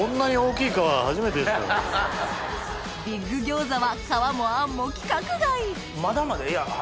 ビッグ餃子は皮もあんも規格外まだまだ。